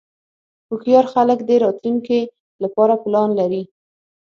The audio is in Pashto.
هوښیار خلک د راتلونکې لپاره پلان لري.